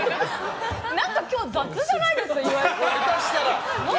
何か、今日雑じゃないですか！